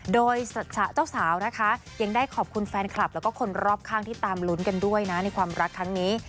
โดยเจ้าสาวนะคะยังได้ขอบคุณแฟนคลับแล้วก็คนรอบข้างที่ตามลุ้นกันด้วยนะในความรักครั้งนี้